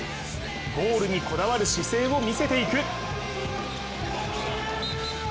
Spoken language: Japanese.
ゴールにこだわる姿勢を見せていく。